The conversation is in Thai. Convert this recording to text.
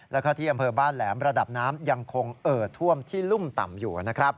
แล้วก็ที่อำเภอบ้านแหลมระดับน้ำยังคงเอ่อท่วมที่รุ่มต่ำอยู่นะครับ